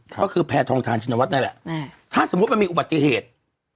ก็คือแพทองทานชินวัฒน์นั่นแหละถ้าสมมุติมันมีอุบัติเหตุ